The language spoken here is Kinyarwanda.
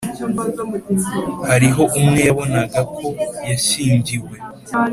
hariho umwe yabonaga ko yashyingiwe;